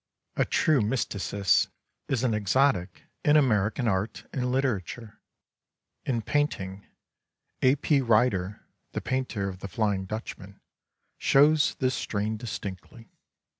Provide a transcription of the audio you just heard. A true mysticist is an exotic in American art and literature. In painting, A. P. Ryder, the painter of the " Flying Dutchman," shows this strain distinctly.